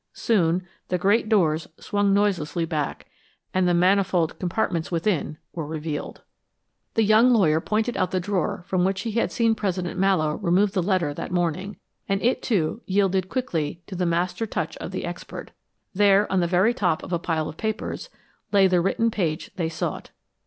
Soon the great doors swung noiselessly back and the manifold compartments within were revealed. The young lawyer pointed out the drawer from which he had seen President Mallowe remove the letter that morning, and it, too, yielded quickly to the master touch of the expert. There, on the very top of a pile of papers, lay the written page they sought.